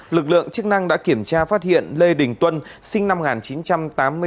lực lượng chức năng đã kiểm tra phát hiện lê đình tuân sinh năm một nghìn chín trăm tám mươi bốn